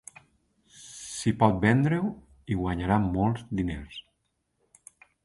Si pot vendre-ho, hi guanyarà molts diners.